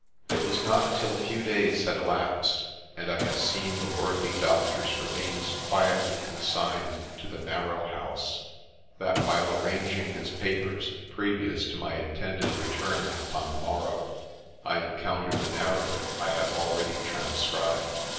It was not till a few days had elapsed, and I had seen the worthy Doctor's remains quietly consigned to the narrow house, that while arranging his papers previous to my intended return upon the morrow, I encountered the narrative I have already transcribed.